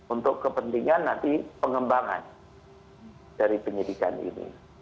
untuk kepentingan nanti pengembangan dari penyidikan ini